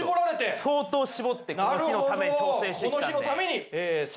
相当絞ってこの日のために調整してきたんで。